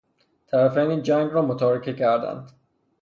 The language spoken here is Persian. طرفین جنگ را متارکه کردند.